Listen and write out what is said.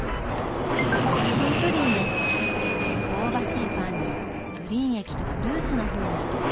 香ばしいパンにプリン液とフルーツの風味。